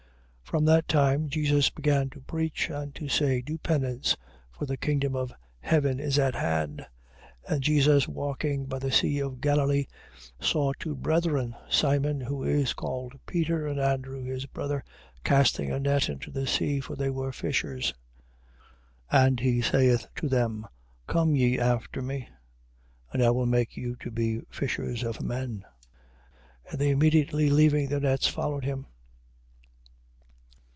4:17. From that time Jesus began to preach, and to say: Do penance, for the kingdom of heaven is at hand. 4:18. And Jesus walking by the sea of Galilee, saw two brethren, Simon who is called Peter, and Andrew his brother, casting a net into the sea (for they were fishers). 4:19. And he saith to them: Come ye after me, and I will make you to be fishers of men. 4:20. And they immediately leaving their nets, followed him.